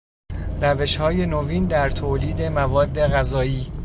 روشهای نوین در تولید مواد غذایی